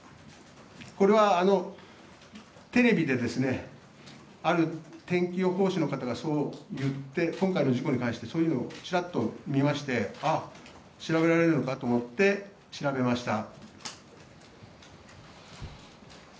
これはテレビで、ある天気予報士の方がそう言って、今回の事故に関してそういうのをちらっと見ましてああ、調べられるのかと思って調べました。